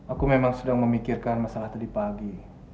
aku memang sedang memikirkan masalah tadi pagi